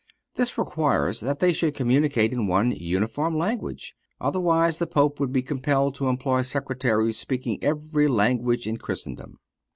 This requires that they should communicate in one uniform language, otherwise the Pope would be compelled to employ secretaries speaking every language in Christendom.